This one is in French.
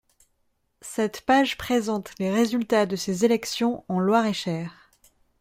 Cette page présente les résultats de ces élections en Loir-et-Cher.